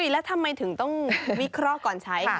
แล้วทำไมถึงต้องวิเคราะห์ก่อนใช้